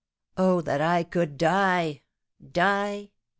"Oh, that I could die! die!